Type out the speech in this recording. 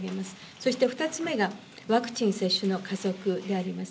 そして、２つ目がワクチン接種の加速であります。